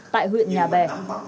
tại huyện nhà bè